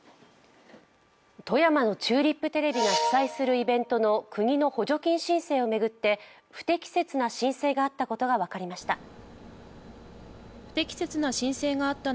富山のチューリップテレビが主催するイベントの国の補助金申請を巡って不適切な申請があったことが分かりました。